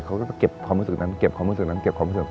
เขาก็เก็บความรู้สึกนั้นเก็บความรู้สึกนั้นเก็บความรู้สึก